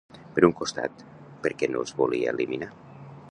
Per un costat, per què no els volia eliminar?